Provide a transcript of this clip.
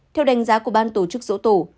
theo đánh giá của ban tổ chức dỗ tổ